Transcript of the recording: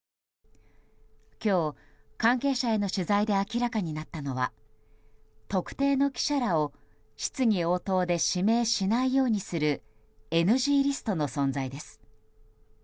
今日、関係者への取材で明らかになったのは特定の記者らを質疑応答で指名しないようにするＮＧリストの存在です。